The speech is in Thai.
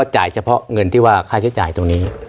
จ่ายเฉพาะเงินที่ว่าค่าใช้จ่ายตรงนี้